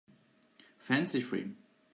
Fancy-free